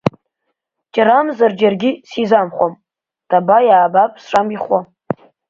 Џьарамзар-џьаргьы сизамхуам, даба иаабап сшамихуа.